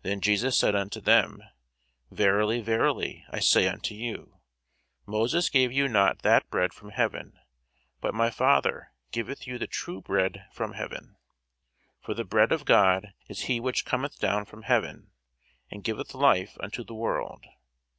Then Jesus said unto them, Verily, verily, I say unto you, Moses gave you not that bread from heaven; but my Father giveth you the true bread from heaven. For the bread of God is he which cometh down from heaven, and giveth life unto the world.